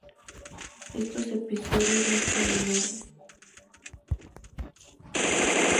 Estos episodios no están en orden.